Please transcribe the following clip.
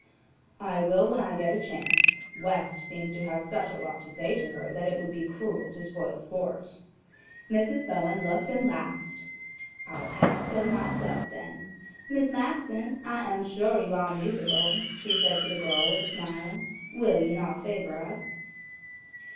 "I will when I get a chance. West seems to have such a lot to say to her that it would be cruel to spoil sport." Mrs. Bowen looked and laughed: "I'll ask her myself then. Miss Madison, I am sure you are musical," she said to the girl, with a smile. "Will you not favor us?"